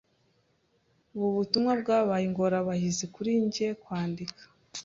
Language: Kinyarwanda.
Ubu butumwa bwabaye ingorabahizi kuri njye kwandika.